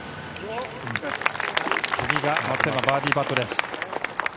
次が松山、バーディーパットです。